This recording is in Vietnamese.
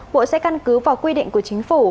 bộ sẽ căn cứ vào quy định của chính phủ